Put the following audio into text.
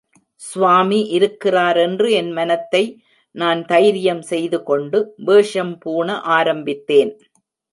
ஸ்வாமி இருக்கிறாரென்று என் மனத்தை நான் தைரியம் செய்துகொண்டு, வேஷம் பூண ஆரம்பித்தேன்.